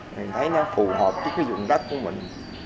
mình thấy nó phù hợp với cái dùng đất của mình